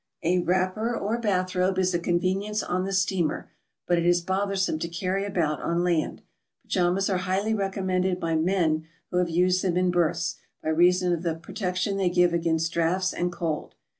A wrapper or bath roibe is a convenience on the steamer, but it is bothersiome to carry about on land. Pajamas are highly recommended by men who have used them in berths, by reason of the protection they give against draughts and cold.